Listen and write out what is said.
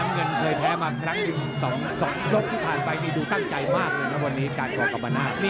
น้ำเงินเคยแพ้มาสักที่๒โลกที่ผ่านไปดูตั้งใจมากเลยนะวันนี้การกอกรรมนาฬ